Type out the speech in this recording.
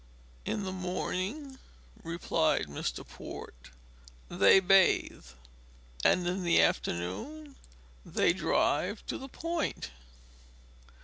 "In the morning," replied Mr. Port, "they bathe, and in the afternoon they drive to the Point.